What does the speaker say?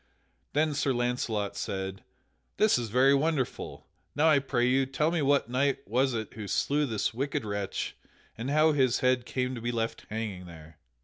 Then Sir Launcelot said: "This is very wonderful. Now I pray you, tell me what knight was it who slew this wicked wretch, and how his head came to be left hanging here?"